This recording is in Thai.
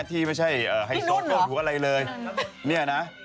ที่ไม่ใช่ไฮโซโก้หูอะไรเลยเนี่ยนะ